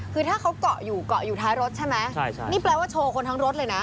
คือถ้าเขาเกาะอยู่เกาะอยู่ท้ายรถใช่ไหมใช่ใช่นี่แปลว่าโชว์คนทั้งรถเลยนะ